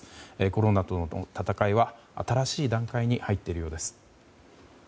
コロナとの闘いは新しい段階に入っているようです。